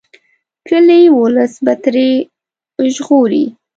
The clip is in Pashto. کلي ولس به ترې ژغوري.